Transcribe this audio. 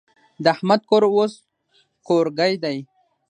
د احمد کور اوس کورګی دی.